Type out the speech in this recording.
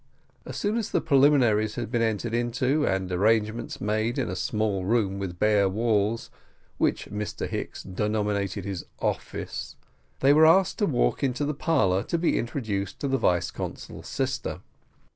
As soon as the preliminaries had been entered into, and arrangements made in a small room with bare walls, which Mr Hicks denominated his office, they were asked to walk into the parlour to be introduced to the vice consul's sister.